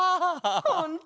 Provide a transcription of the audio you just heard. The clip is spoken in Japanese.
ほんと？